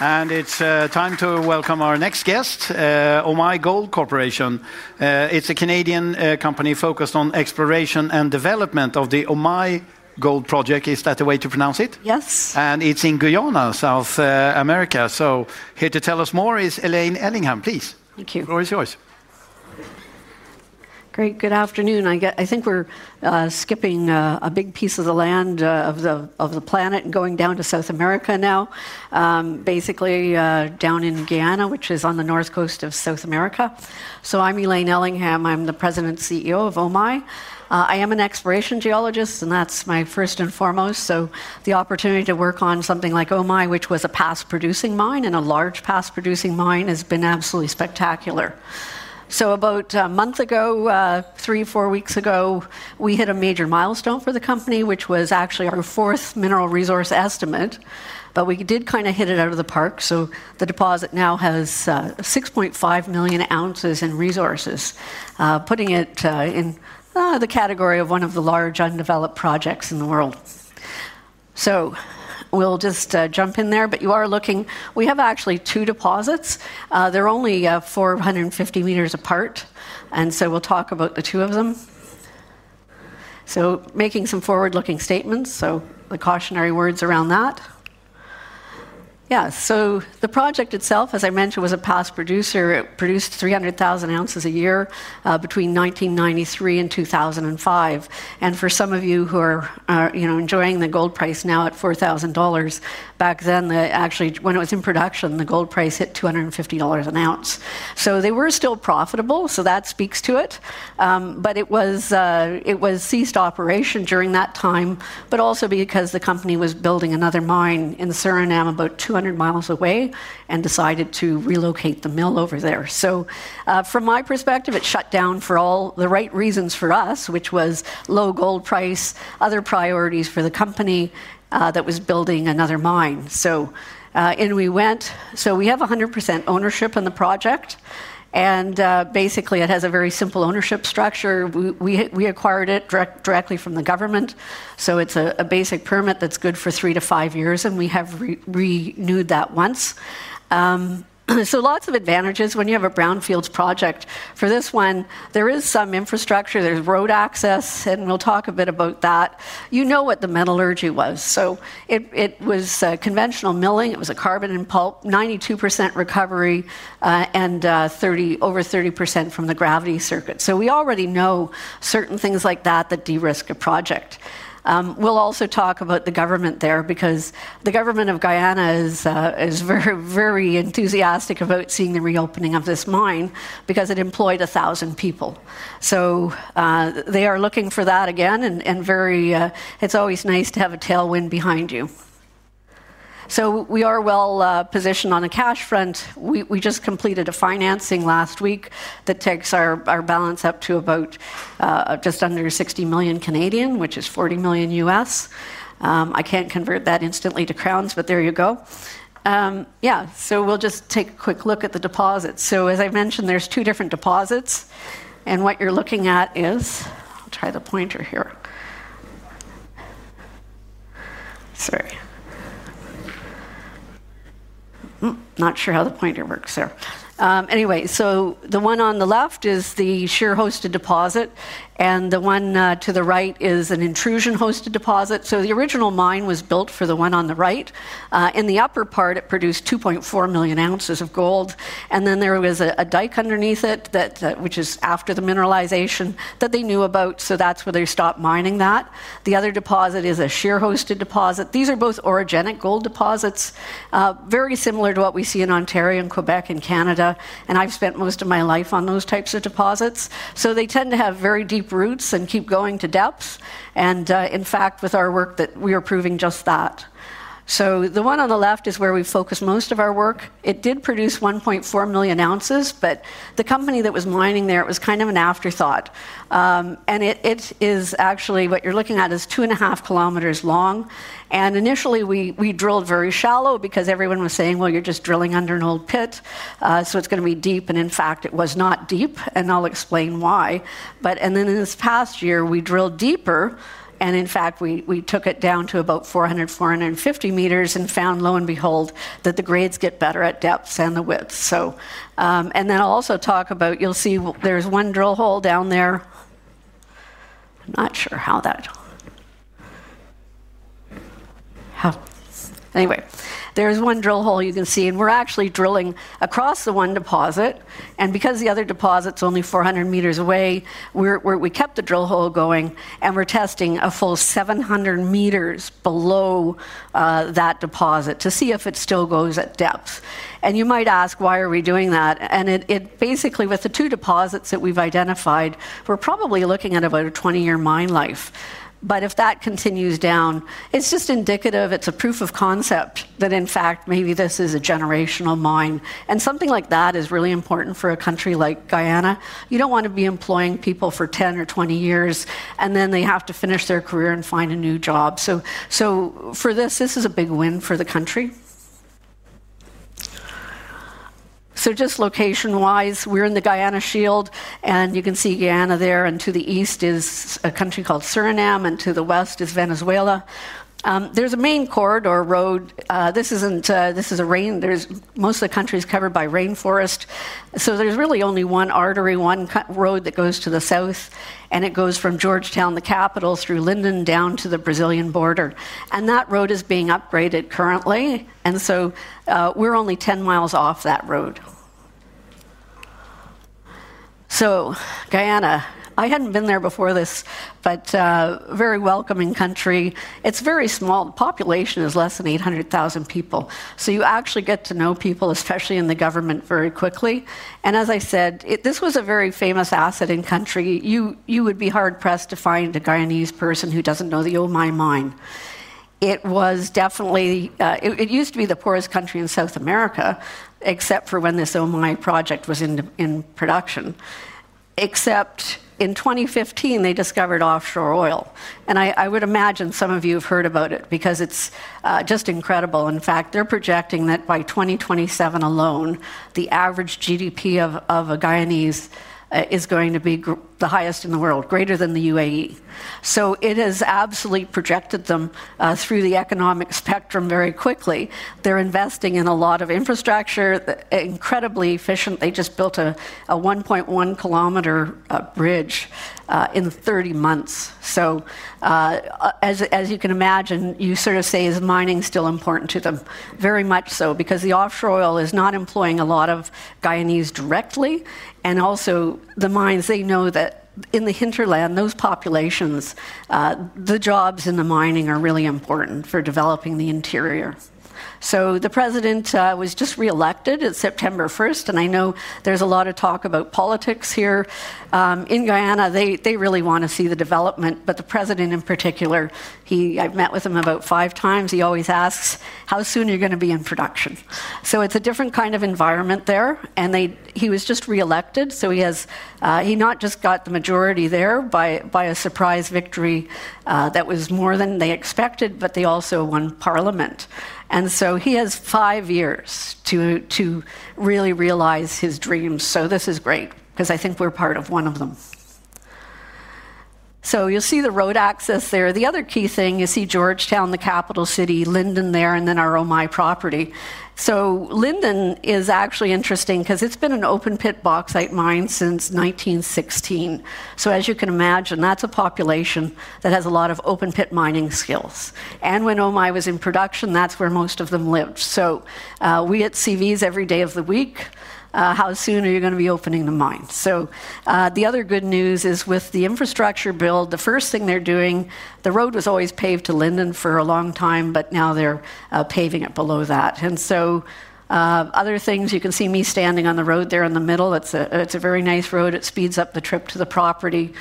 It's time to welcome our next guest, Omai Gold Mines Corporation. It's a Canadian company focused on exploration and development of the Omai Gold Project. Is that the way to pronounce it? Yes. It is in Guyana, South America. Here to tell us more is Elaine Ellingham, please. Thank you. The floor is yours. Great. Good afternoon. I think we're skipping a big piece of the land of the planet and going down to South America now, basically down in Guyana, which is on the north coast of South America. I'm Elaine Ellingham. I'm the President and CEO of Omai. I am an exploration geologist, and that's my first and foremost. The opportunity to work on something like Omai, which was a past-producing mine and a large past-producing mine, has been absolutely spectacular. About a month ago, three or four weeks ago, we hit a major milestone for the company, which was actually our fourth mineral resource estimate. We did kind of hit it out of the park. The deposit now has 6.5 million ounces in resources, putting it in the category of one of the large undeveloped projects in the world. We'll just jump in there. You are looking. We have actually two deposits. They're only 450 m apart, and we'll talk about the two of them. Making some forward-looking statements, so the cautionary words around that. The project itself, as I mentioned, was a past producer. It produced 300,000 ounces a year between 1993 and 2005. For some of you who are enjoying the gold price now at $4,000, back then, actually, when it was in production, the gold price hit $250 an ounce. They were still profitable. That speaks to it. It ceased operation during that time, but also because the company was building another mine in Suriname, about 200 miles away, and decided to relocate the mill over there. From my perspective, it shut down for all the right reasons for us, which was low gold price, other priorities for the company that was building another mine. In we went. We have 100% ownership in the project. It has a very simple ownership structure. We acquired it directly from the government. It's a basic permit that's good for three to five years, and we have renewed that once. Lots of advantages when you have a brownfield project. For this one, there is some infrastructure. There's road access, and we'll talk a bit about that. You know what the metallurgy was. It was conventional milling. It was a carbon in pulp, 92% recovery, and over 30% from the gravity circuit. We already know certain things like that that de-risk a project. We'll also talk about the government there, because the government of Guyana is very, very enthusiastic about seeing the reopening of this mine, because it employed 1,000 people. They are looking for that again. It's always nice to have a tailwind behind you. We are well-positioned on the cash front. We just completed a financing last week that takes our balance up to just under 60 million, which is $40 million. I can't convert that instantly to crowns, but there you go. We'll just take a quick look at the deposit. As I mentioned, there are two different deposits. What you're looking at is—I'll try the pointer here. Sorry. Not sure how the pointer works there. Anyway, the one on the left is the shear-hosted deposit, and the one to the right is an intrusion-hosted deposit. The original mine was built for the one on the right. In the upper part, it produced 2.4 million ounces of gold. There was a dike underneath it, which is after the mineralization that they knew about. That's where they stopped mining that. The other deposit is a shear-hosted deposit. These are both orogenic gold deposits, very similar to what we see in Ontario and Quebec in Canada. I've spent most of my life on those types of deposits. They tend to have very deep roots and keep going to depths. In fact, with our work, we are proving just that. The one on the left is where we focus most of our work. It did produce 1.4 million ounces, but the company that was mining there, it was kind of an afterthought. What you're looking at is actually 2.5 Km long. Initially, we drilled very shallow, because everyone was saying, you're just drilling under an old pit, so it's going to be deep. In fact, it was not deep, and I'll explain why. In this past year, we drilled deeper, and we took it down to about 400-450 m and found, lo and behold, that the grades get better at depths and the width. I'll also talk about, you'll see, there's one drill hole down there. I'm not sure how that—anyway, there is one drill hole you can see. We're actually drilling across the one deposit, and because the other deposit's only 400 m away, we kept the drill hole going. We're testing a full 700 m below that deposit to see if it still goes at depth. You might ask, why are we doing that? Basically, with the two deposits that we've identified, we're probably looking at about a 20-year mine life. If that continues down, it's just indicative. It's a proof of concept that maybe this is a generational mine. Something like that is really important for a country like Guyana. You don't want to be employing people for 10 or 20 years, and then they have to finish their career and find a new job. For this, this is a big win for the country. Location-wise, we're in the Guyana Shield. You can see Guyana there. To the east is a country called Suriname, and to the west is Venezuela. There's a main corridor road. Most of the country is covered by rainforest, so there's really only one artery, one road that goes to the south. It goes from Georgetown, the capital, through Linden, down to the Brazilian border. That road is being upgraded currently, and we're only 10 miles off that road. Guyana, I hadn't been there before this, but it's a very welcoming country. It's very small. The population is less than 800,000 people, so you actually get to know people, especially in the government, very quickly. As I said, this was a very famous asset in the country. You would be hard-pressed to find a Guyanese person who doesn't know the Omai mine. It was definitely—it used to be the poorest country in South America, except for when this Omai project was in production. Except in 2015, they discovered offshore oil. I would imagine some of you have heard about it, because it's just incredible. In fact, they're projecting that by 2027 alone, the average GDP of a Guyanese is going to be the highest in the world, greater than the UAE. It has absolutely projected them through the economic spectrum very quickly. They're investing in a lot of infrastructure incredibly efficiently. They just built a 1.1-kilometer bridge in 30 months. You sort of say, is mining still important to them? Very much so, because the offshore oil is not employing a lot of Guyanese directly. Also, the mines, they know that in the hinterland, those populations, the jobs in the mining are really important for developing the interior. The President was just reelected on September 1st. I know there's a lot of talk about politics here. In Guyana, they really want to see the development. The President in particular, I've met with him about five times. He always asks, "How soon are you going to be in production?" It's a different kind of environment there. He was just reelected. He not just got the majority there by a surprise victory that was more than they expected, but they also won parliament. He has five years to really realize his dreams. This is great, because I think we're part of one of them. You'll see the road access there. The other key thing, you see Georgetown, the capital city, Linden there, and then our Omai property. Linden is actually interesting, because it's been an open-pit bauxite mine since 1916. As you can imagine, that's a population that has a lot of open-pit mining skills. When Omai was in production, that's where most of them lived. We get CVs every day of the week. How soon are you going to be opening the mines? The other good news is with the infrastructure bill, the first thing they're doing, the road was always paved to Linden for a long time. Now they're paving it below that. Other things, you can see me standing on the road there in the middle. It's a very nice road. It speeds up the trip to the property.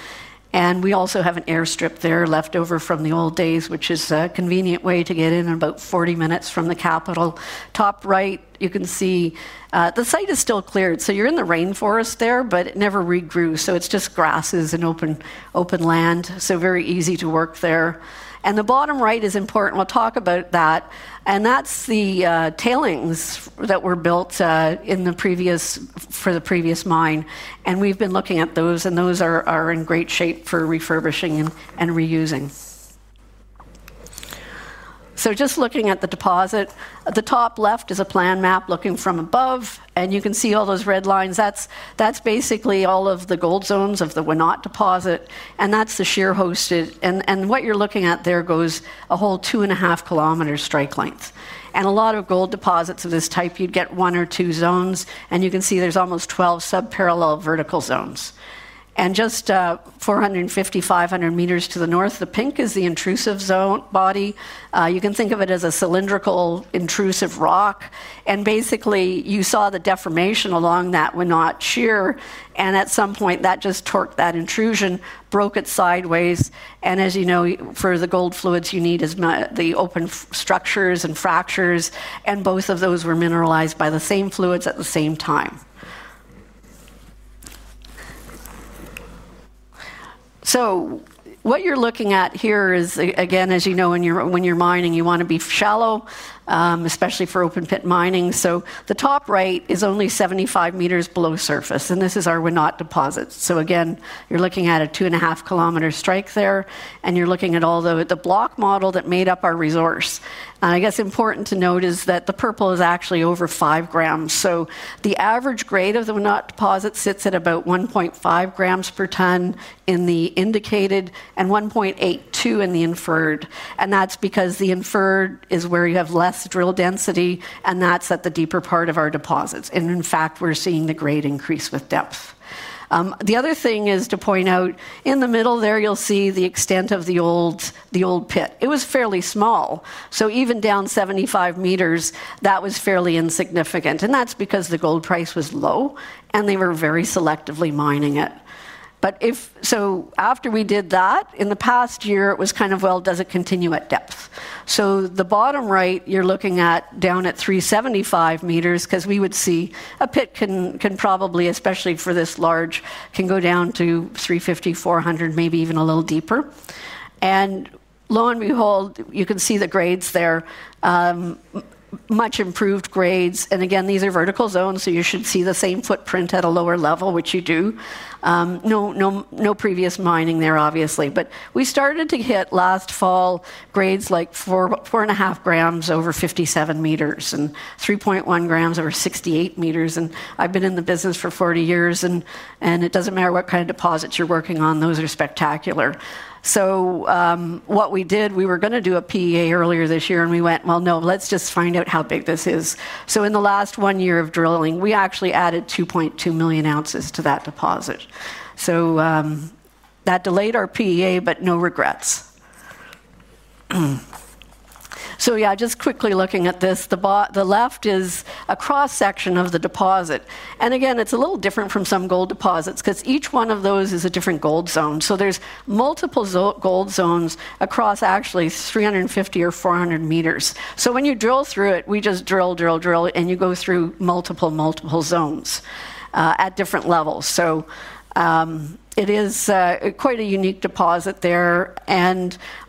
We also have an airstrip there left over from the old days, which is a convenient way to get in, about 40 minutes from the capital. Top right, you can see the site is still cleared. You're in the rainforest there, but it never regrew. It's just grasses and open land. Very easy to work there. The bottom right is important. We'll talk about that. That's the tailings that were built for the previous mine. We've been looking at those, and those are in great shape for refurbishing and reusing. Just looking at the deposit, the top left is a plan map looking from above. You can see all those red lines. That's basically all of the gold zones of the Wenot gold deposit. That's the shear-hosted. What you're looking at there goes a whole 2.5-kilometer strike length. A lot of gold deposits of this type, you'd get one or two zones. You can see there's almost 12 sub-parallel vertical zones. Just 450, 500 m to the north, the pink is the intrusive zone body. You can think of it as a cylindrical intrusive rock. Basically, you saw the deformation along that Wenot shear. At some point, that just torqued that intrusion, broke it sideways. As you know, for the gold fluids, you need the open structures and fractures. Both of those were mineralized by the same fluids at the same time. What you're looking at here is, again, as you know, when you're mining, you want to be shallow, especially for open-pit mining. The top right is only 75 m below surface. This is our Wenot gold deposit. You're looking at a 2.5-kilometer strike there, and you're looking at all the block model that made up our resource. Important to note is that the purple is actually over 5 gm. The average grade of the Wenot gold deposit sits at about 1.5 gm per ton in the indicated and 1.82 in the inferred. That's because the inferred is where you have less drill density, and that's at the deeper part of our deposits. In fact, we're seeing the grade increase with depth. The other thing to point out, in the middle there, you'll see the extent of the old pit. It was fairly small, so even down 75 m, that was fairly insignificant. That's because the gold price was low, and they were very selectively mining it. After we did that, in the past year, it was kind of, does it continue at depth? The bottom right, you're looking at down at 375 m, because we would see a pit can probably, especially for this large, go down to 350, 400, maybe even a little deeper. Lo and behold, you can see the grades there, much improved grades. These are vertical zones, so you should see the same footprint at a lower level, which you do. No previous mining there, obviously. We started to hit last fall grades like 4.5 gm over 57 m and 3.1 gm over 68 m. I've been in the business for 40 years, and it doesn't matter what kind of deposits you're working on, those are spectacular. What we did, we were going to do a PEA earlier this year, and we went, no, let's just find out how big this is. In the last one year of drilling, we actually added 2.2 million ounces to that deposit. That delayed our PEA, but no regrets. Just quickly looking at this, the left is a cross-section of the deposit. It's a little different from some gold deposits, because each one of those is a different gold zone. There are multiple gold zones across actually 350 or 400 m. When you drill through it, we just drill, drill, drill, and you go through multiple, multiple zones at different levels. It is quite a unique deposit there.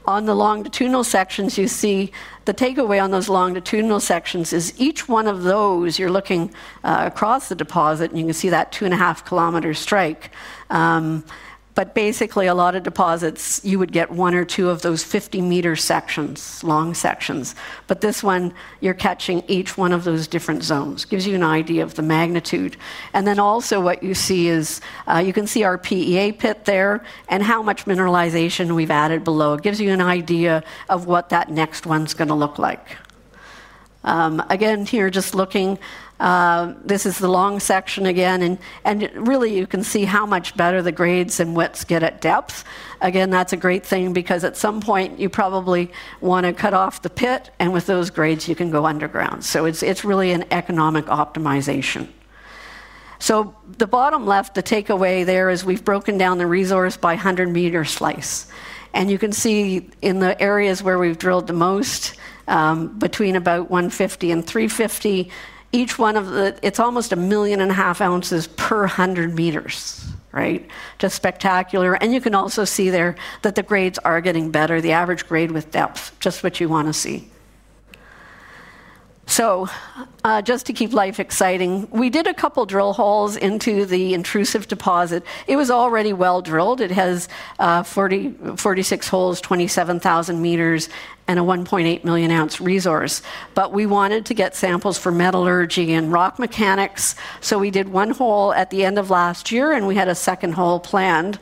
On the longitudinal sections, the takeaway on those longitudinal sections is each one of those, you're looking across the deposit, and you can see that 2.5-kilometer strike. Basically, a lot of deposits, you would get one or two of those 50-meter sections, long sections. This one, you're catching each one of those different zones. It gives you an idea of the magnitude. Also, what you see is you can see our PEA pit there and how much mineralization we've added below. It gives you an idea of what that next one's going to look like. Again, here, just looking, this is the long section again. Really, you can see how much better the grades and widths get at depth. That's a great thing, because at some point, you probably want to cut off the pit. With those grades, you can go underground. It's really an economic optimization. The bottom left, the takeaway there is we've broken down the resource by 100-meter slice. You can see in the areas where we've drilled the most, between about 150 and 350, each one of the—it's almost a million and a half ounces per 100 meters, right? Just spectacular. You can also see there that the grades are getting better, the average grade with depth, just what you want to see. Just to keep life exciting, we did a couple of drill holes into the intrusion-hosted deposit. It was already well drilled. It has 46 holes, 27,000 meters, and a 1.8 million ounce resource. We wanted to get samples for metallurgy and rock mechanics. We did one hole at the end of last year. We had a second hole planned.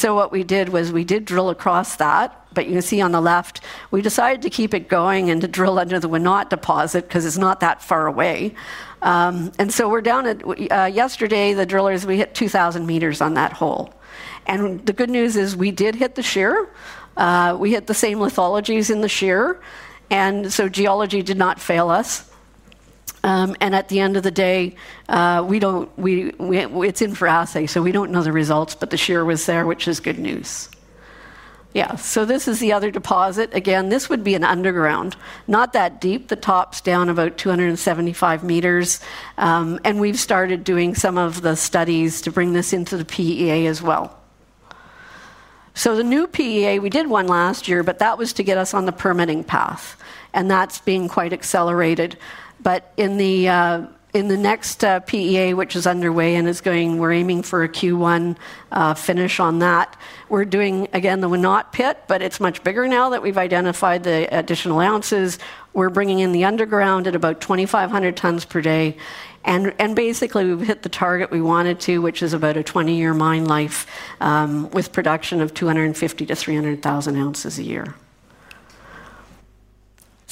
What we did was we did drill across that. You can see on the left, we decided to keep it going and to drill under the Wenot gold deposit, because it's not that far away. Yesterday, the drillers, we hit 2,000 meters on that hole. The good news is we did hit the shear. We hit the same lithologies in the shear. Geology did not fail us. At the end of the day, it's in for assay. We don't know the results. The shear was there, which is good news. This is the other deposit. This would be an underground, not that deep. The top's down about 275 m. We've started doing some of the studies to bring this into the PEA as well. The new PEA, we did one last year. That was to get us on the permitting path. That's being quite accelerated. In the next PEA, which is underway and is going, we're aiming for a Q1 finish on that. We're doing, again, the Wenot pit. It's much bigger now that we've identified the additional ounces. We're bringing in the underground at about 2,500 tons per day. Basically, we've hit the target we wanted to, which is about a 20-year mine life with production of 250,000-300,000 ounces a year.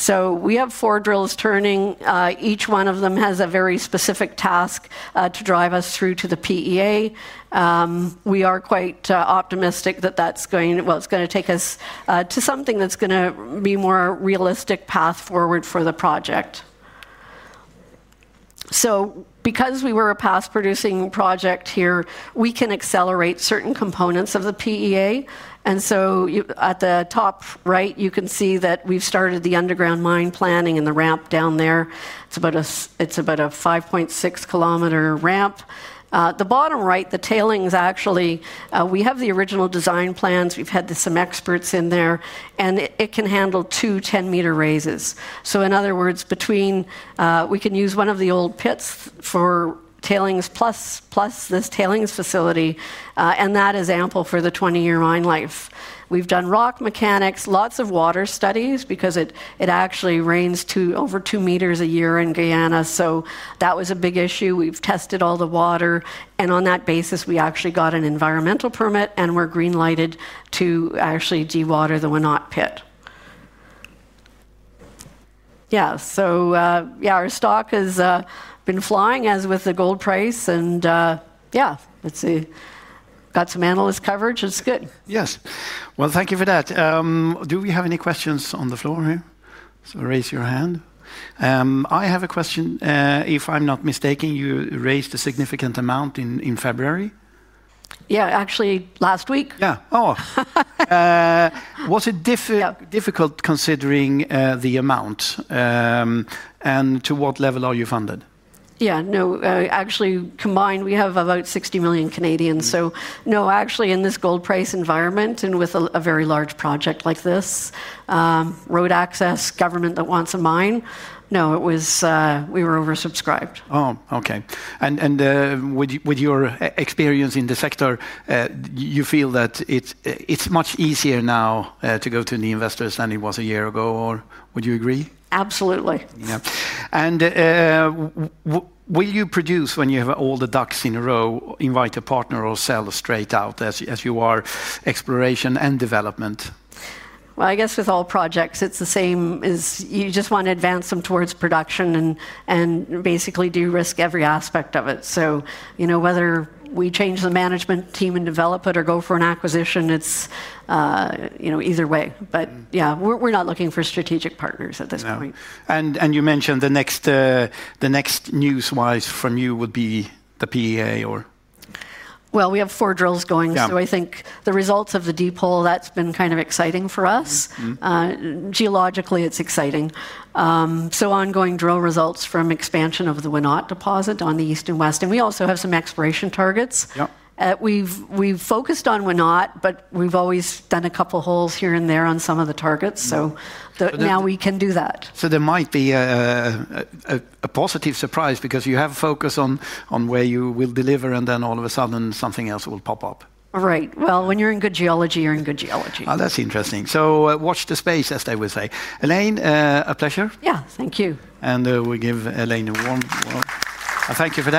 We have four drills turning. Each one of them has a very specific task to drive us through to the PEA. We are quite optimistic that it's going to take us to something that's going to be a more realistic path forward for the project. Because we were a past-producing project here, we can accelerate certain components of the PEA. At the top right, you can see that we've started the underground mine planning and the ramp down there. It's about a 5.6-kilometer ramp. The bottom right, the tailings, actually, we have the original design plans. We've had some experts in there, and it can handle two 10-meter raises. In other words, we can use one of the old pits for tailings plus this tailings facility, and that is ample for the 20-year mine life. We've done rock mechanics, lots of water studies, because it actually rains over 2 m a year in Guyana. That was a big issue. We've tested all the water, and on that basis, we actually got an environmental permit. We're green-lighted to actually dewater the Wenot pit. Yeah, our stock has been flying, as with the gold price. Let's see. Got some analyst coverage. It's good. Thank you for that. Do we have any questions on the floor here? Please raise your hand. I have a question. If I'm not mistaken, you raised a significant amount in February. Yeah, actually, last week. Was it difficult considering the amount? To what level are you funded? No, actually, combined, we have about 60 million. In this gold price environment and with a very large project like this, road access, government that wants a mine, it was we were oversubscribed. OK. With your experience in the sector, you feel that it's much easier now to go to the investors than it was a year ago. Would you agree? Absolutely. Will you produce when you have all the ducks in a row, invite a partner, or sell straight out, as you are exploration and development? With all projects, it's the same. You just want to advance them towards production and basically de-risk every aspect of it. Whether we change the management team and develop it or go for an acquisition, it's either way. We're not looking for strategic partners at this point. You mentioned the next news from you would be the PEA. We have four drills going. I think the results of the deep hole, that's been kind of exciting for us. Geologically, it's exciting. Ongoing drill results from expansion of the Wenot gold deposit on the east and west, and we also have some exploration targets. We've focused on Wenot, but we've always done a couple of holes here and there on some of the targets. Now we can do that. There might be a positive surprise, because you have a focus on where you will deliver, and then all of a sudden, something else will pop up. Right. When you're in good geology, you're in good geology. Oh, that's interesting. Watch the space, as they would say. Elaine, a pleasure. Thank you. We'll give Elaine a warm thank you for that.